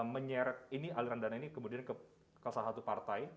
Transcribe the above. menyeret ini aliran dana ini kemudian ke salah satu partai